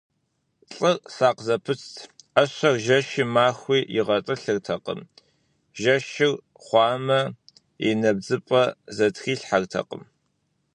Лӏыр сакъ зэпытт: ӏэщэр жэщи махуи игъэтӏылъыртэкъым, жэщыр хъуамэ, и нэбдзыпэ зэтрилъхьэртэкъым.